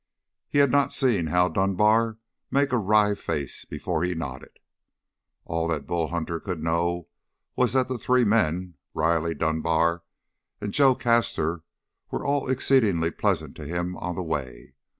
He had not seen Hal Dunbar make a wry face before he nodded. All that Bull Hunter could know was that the three men Riley, Dunbar, and Joe Castor were all exceedingly pleasant to him on the way.